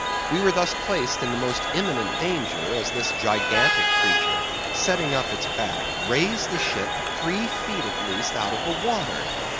We were thus placed in the most imminent danger, as this gigantic creature, setting up its back, raised the ship three feet at least out of the water.